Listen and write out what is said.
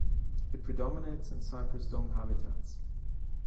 It predominates in cypress dome habitats.